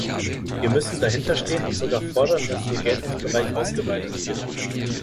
Wir müssen dahinter stehen und sogar fordern, dass ihr Geltungsbereich ausgeweitet wird.